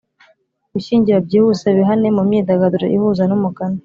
gushyingira byihuse, wihane mu myidagaduro ihuza n'umugani